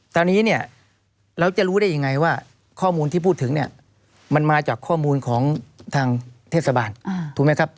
ตอนนี้เนี่ยเราจะรู้ได้ยังไงว่าข้อมูลที่พูดถึงเนี่ยมันมาจากข้อมูลของทางเทศบาลถูกไหมครับ